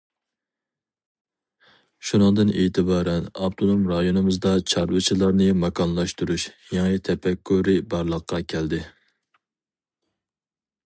شۇنىڭدىن ئېتىبارەن ئاپتونوم رايونىمىزدا چارۋىچىلارنى ماكانلاشتۇرۇش يېڭى تەپەككۇرى بارلىققا كەلدى.